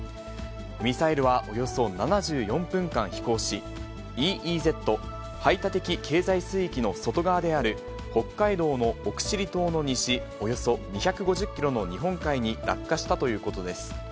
ミサイルはおよそ７４分間飛行し、ＥＥＺ・排他的経済水域の外側である北海道の奥尻島の西およそ２５０キロの日本海に落下したということです。